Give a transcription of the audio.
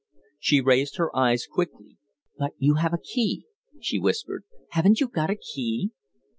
She raised her eyes quickly. "But you have a key?" she whispered. "Haven't you got a key?"